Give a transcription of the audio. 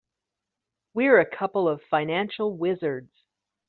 We're a couple of financial wizards.